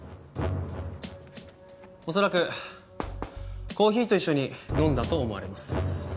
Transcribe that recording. おそらくコーヒーと一緒に飲んだと思われます。